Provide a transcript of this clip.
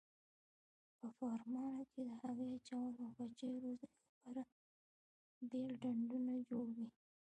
په فارمونو کې د هګۍ اچولو او بچیو روزنې لپاره بېل ډنډونه جوړوي.